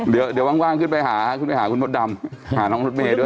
เดี๋ยวว่างขึ้นไปหาคุณหมดดำหาน้องลุชเมด้วย